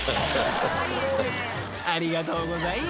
［ありがとうございます］